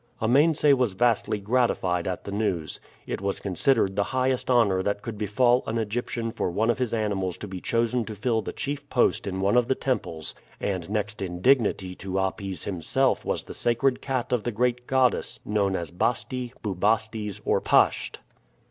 Amense was vastly gratified at the news. It was considered the highest honor that could befall an Egyptian for one of his animals to be chosen to fill the chief post in one of the temples, and next in dignity to Apis himself was the sacred cat of the great goddess known as Baste, Bubastes, or Pasht.